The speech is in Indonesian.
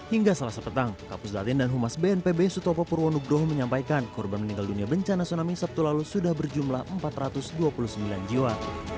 hingga selasa petang kapus latin dan humas bnpb sutopo purwonugroho menyampaikan korban meninggal dunia bencana tsunami sabtu lalu sudah berjumlah empat ratus dua puluh sembilan jiwa